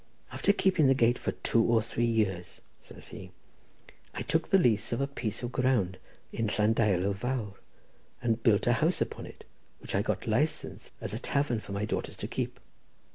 "After keeping the gate for two or three years," says he, "I took the lease of a piece of ground in Llandeilo Fawr, and built a house upon it, which I got licensed as a tavern for my daughters to keep.